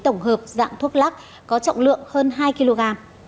tổng hợp dạng thuốc lắc có trọng lượng hơn hai kg